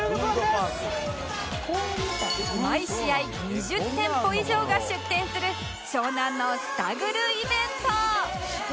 毎試合２０店舗以上が出店する湘南のスタグルイベント！